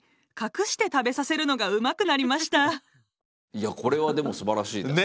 いやこれはでもすばらしいです